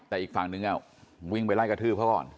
แต่อีกฝั่งนึงวิ่งไปไล่กระทืบเขาก่อน